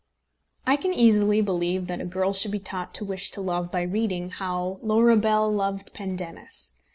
I can easily believe that a girl should be taught to wish to love by reading how Laura Bell loved Pendennis.